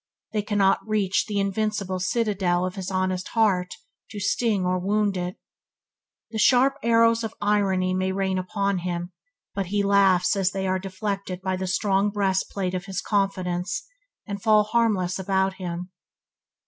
They cannot reach the invincible citadel of his honest heart to sting or wound it. The sharp arrows of irony may rain upon him, but he laughs as they are deflected by the strong breast plate of his confidence, and fall harmless about him.